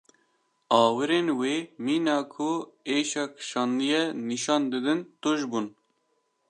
Awirên wî mîna ku êşa kişandiye nîşan didin tûj bûn.